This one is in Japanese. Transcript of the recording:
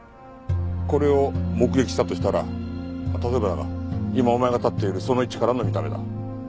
これを目撃したとしたら例えばだが今お前が立っているその位置からの見た目だ。